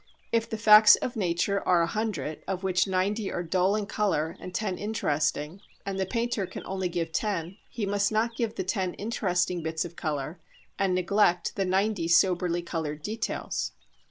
If the facts of nature are a hundred, of which ninety are dull in colour and ten interesting, and the painter can only give ten, he must not give the ten interesting bits of colour and neglect the ninety soberly coloured details.